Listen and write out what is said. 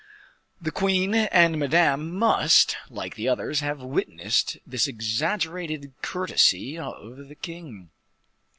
The queen and Madame must, like the others, have witnessed this exaggerated courtesy of the king.